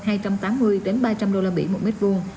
hơn hai trăm tám mươi ba trăm linh đô la mỹ mỗi mét vuông